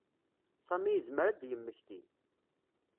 Sami yezmer ad d-yemmeki.